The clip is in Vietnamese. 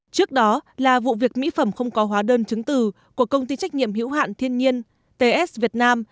trước đó là vụ việc mỹ phẩm không có hóa đơn chứng từ của công ty trách nhiệm hữu hạn thiên nhiên ts việt nam